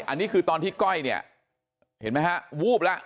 อันนี้คือตอนที่ก้อยเนี่ยเห็นไหมฮะวูบแล้ว